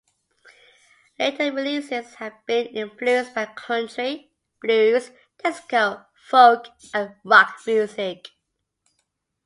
Later releases have been influenced by country, blues, disco, folk and rock music.